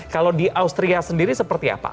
kalau di austria sendiri seperti apa